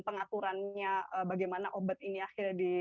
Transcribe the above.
pengaturannya bagaimana obat ini akhirnya